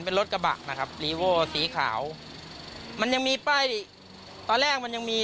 เป็นรถกระบะนะครับลีโวสีขาวมันยังมีป้ายตอนแรกมันยังมี